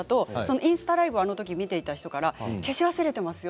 インスタライブを見ていた人から消し忘れていますよ！